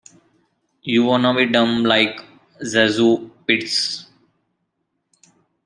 You wanna be dumb like ZaSu Pitts?